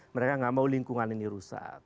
mereka nggak mau lingkungan ini rusak